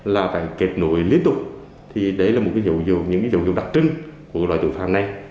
là phải kết nối liên tục thì đấy là một dấu dụng đặc trưng của loại thủ đoạn này